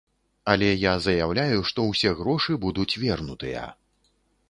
Але я заяўляю, што ўсе грошы будуць вернутыя.